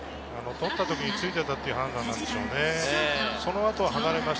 捕った瞬間についていたという判断なんでしょうね。